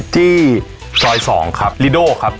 ที่ซอย๒ครับลิโดครับ